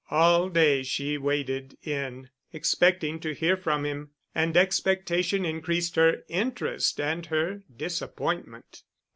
All day she waited in, expecting to hear from him, and expectation increased her interest and her disappointment.